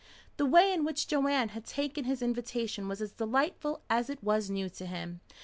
The way in which Joanne had taken his invitation was as delightful as it was new to him.